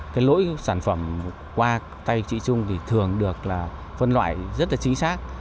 cái lỗi sản phẩm qua tay chị trung thì thường được là phân loại rất là chính xác